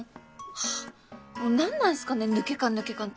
ハァもう何なんすかね抜け感抜け感って。